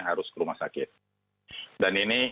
harus ke rumah sakit dan ini